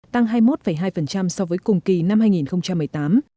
tăng hai mươi một hai so với cùng kỳ năm hai nghìn một mươi tám